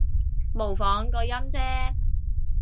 模仿個音啫